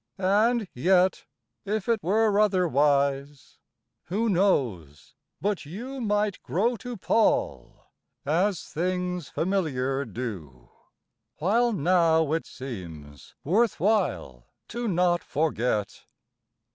and yet— If it were otherwise, who knows but you Might grow to pall, as things familiar do, While now it seems worth while to not forget!